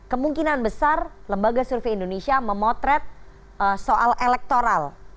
kemungkinan besar lembaga survei indonesia memotret soal elektoral